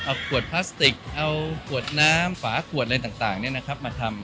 เอากรวดพลาสติกเอากรวดน้ำฝากรวดอะไรต่างเนี่ยนะครับมาทำ